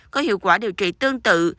có hiệu quả điều trị tương tự